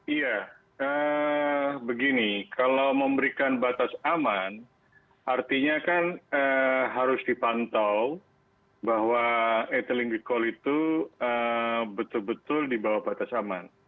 iya begini kalau memberikan batas aman artinya kan harus dipantau bahwa ethylene glikol itu betul betul di bawah batas aman